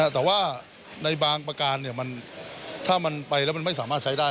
แต่ว่าในบางประการถ้ามันไปแล้วมันไม่สามารถใช้ได้